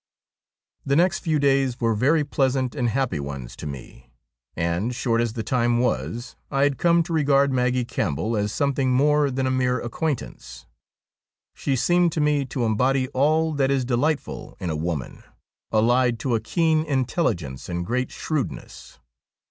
The next few days were very pleftsant and happy ones to me, and, short as the time was, I had come to regard Maggie Campbell as something more than a mere acquaintance. She seemed to me to embody all that is delightful in a woman, allied to a keen intelligence and great shrewdness.